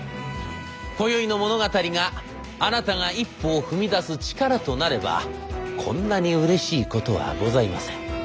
今宵の物語があなたが一歩を踏み出す力となればこんなにうれしいことはございません。